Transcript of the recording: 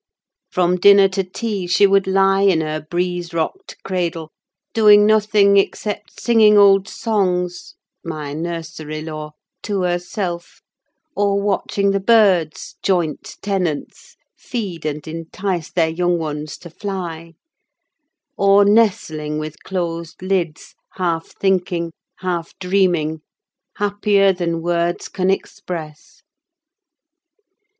From dinner to tea she would lie in her breeze rocked cradle, doing nothing except singing old songs—my nursery lore—to herself, or watching the birds, joint tenants, feed and entice their young ones to fly: or nestling with closed lids, half thinking, half dreaming, happier than words can express.